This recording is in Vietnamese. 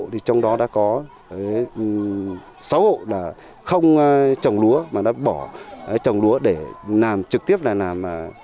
thì trong đó đã có sáu hộ là không trồng lúa mà đã bỏ trồng lúa để làm trực tiếp là làm